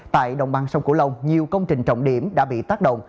tại đồng bằng sông cổ lông nhiều công trình trọng điểm đã bị tác động